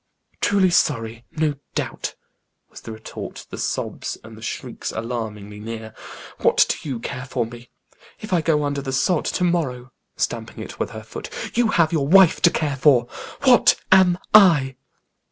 "Truly sorry, no doubt!" was the retort, the sobs and the shrieks alarmingly near. "What do you care for me? If I go under the sod to morrow," stamping it with her foot, "you have your wife to care for; what am I?"